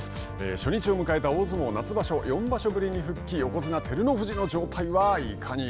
初日を迎えた大相撲夏場所四場所ぶりに復帰、横綱・照ノ富士の状態はいかに。